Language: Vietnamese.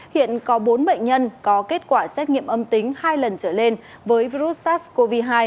hiện có bốn bệnh nhân có kết quả xét nghiệm âm tính hai lần trở lên với virus sars cov hai